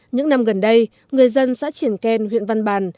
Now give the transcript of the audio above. những năm gần đây người dân xã triển ken huyện văn bàn